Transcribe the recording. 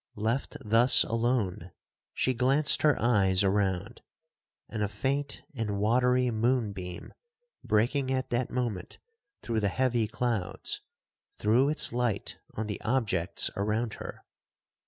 Left thus alone, she glanced her eyes around, and a faint and watery moon beam breaking at that moment through the heavy clouds, threw its light on the objects around her.